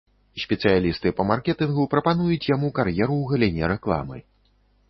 Спецыялісты па маркетынгу прапануюць яму кар'еру ў галіне рэкламы.